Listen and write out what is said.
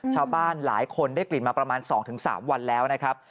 ชาวบ้านหลายคนได้กลิ่นมาประมาณ๒๓วันแล้วนะครับ